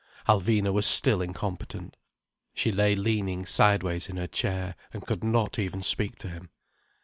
Alvina was still incompetent. She lay leaning sideways in her chair, and could not even speak to him.